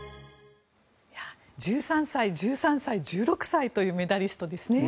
１３歳、１３歳１６歳というメダリストですね。